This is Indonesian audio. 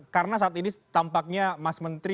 karena saat ini tampaknya mas menteri